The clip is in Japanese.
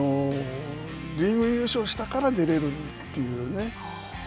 リーグ優勝したから出れるというね。